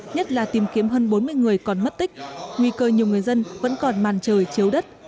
nhất là tìm kiếm hơn bốn mươi người còn mất tích nguy cơ nhiều người dân vẫn còn màn trời chiếu đất